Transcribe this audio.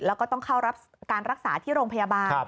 แล้วก็ต้องเข้ารับการรักษาที่โรงพยาบาล